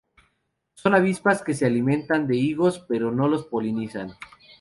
Son avispas que se alimentan de los higos pero no los polinizan.